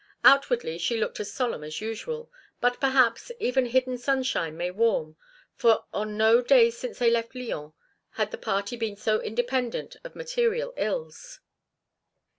Outwardly she looked as solemn as usual, but, perhaps, even hidden sunshine may warm, for on no day since they left Lyons had the party been so independent of material ills.